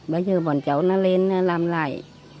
bây giờ bọn cháu nó lên làm lại